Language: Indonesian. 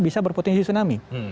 bisa berpotensi tsunami